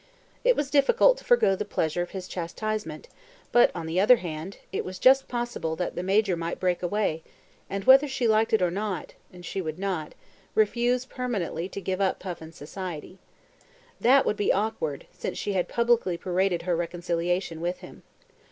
It was difficult to forgo the pleasure of his chastisement, but, on the other hand, it was just possible that the Major might break away, and, whether she liked it or not (and she would not), refuse permanently to give up Puffin's society. That would be awkward since she had publicly paraded her reconciliation with him.